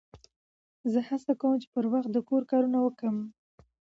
زه هڅه کوم، چي پر وخت د کور کارونه وکم.